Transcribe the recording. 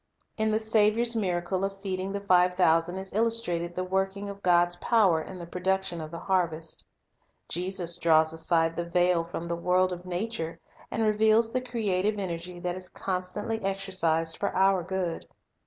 In the Saviour's miracle of feeding the five thousand is illustrated the working of God's power in the pro The Miracle duction of the harvest. Jesus draws aside the veil from Harvest the world of nature, and reveals the creative energy that is constantly exercised for our good.